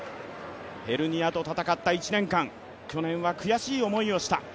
ヘルニアと闘った１年間去年は苦しい思いをした。